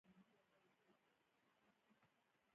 په افغانستان کې د لمریز ځواک منابع شته.